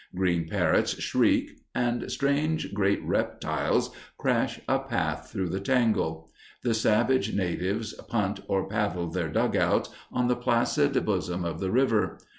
Green parrots shriek, and strange great reptiles crash a path through the tangle. The savage natives punt or paddle their dugouts on the placid bosom of the river.